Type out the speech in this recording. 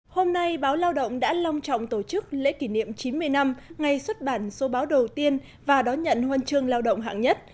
hôm nay báo lao động đã long trọng tổ chức lễ kỷ niệm chín mươi năm ngày xuất bản số báo đầu tiên và đón nhận huân chương lao động hạng nhất